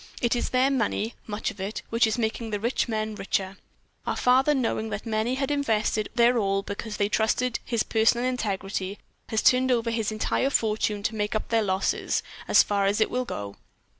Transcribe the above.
It is their money, much of it, which is making the rich men richer. Our father, knowing that many had invested their all because they trusted his personal integrity, has turned over his entire fortune to make up their losses, as far as it will go."